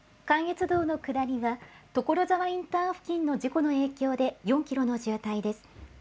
関越道の下りは、所沢インター付近の事故の影響で４キロの渋滞です。